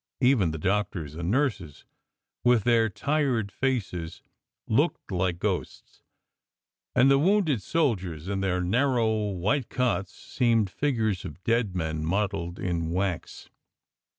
Even the doctors and nurses with their tired faces looked like ghosts, and the wounded sol diers in their narrow white cots seemed figures of dead men modelled in wax.